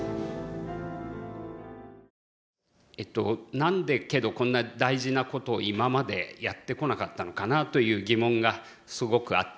何でけどこんな大事なことを今までやってこなかったのかなという疑問がすごくあって。